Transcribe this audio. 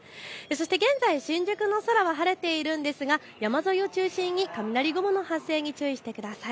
現在、新宿の空は晴れているんですが山沿いを中心に雷雲の発生に注意してください。